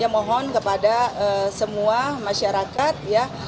mohon kepada semua masyarakat ya